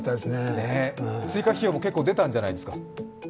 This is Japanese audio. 追加費用も結構出たんじゃないですか？